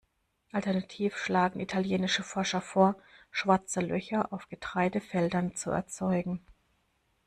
Alternativ schlagen italienische Forscher vor, Schwarze Löcher auf Getreidefeldern zu erzeugen.